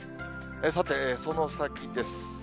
さて、その先です。